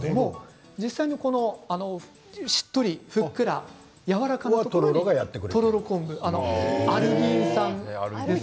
実際にこのしっとりふっくらやわらかなものはとろろ昆布アルギン酸です。